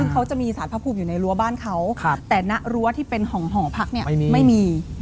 เขาจะมีสารพระภูมิอยู่ในรั้วบ้านเขาแต่ณรั้วที่เป็นหอพักเนี่ยไม่มี